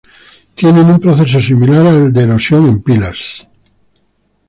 Tienen un proceso similar al de erosión en pilas.